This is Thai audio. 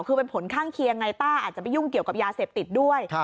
คือเป็นผลข้างเคียงไงต้าอาจจะไปยุ่งเกี่ยวกับยาเสพติดด้วย